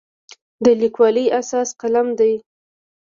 د لیکوالي اساس قلم دی.